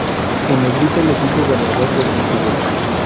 En negrita el equipo ganador del título.